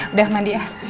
udah mandi ya